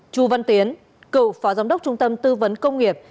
chu văn tiến cựu phó giám đốc trung tâm tư vấn công nghiệp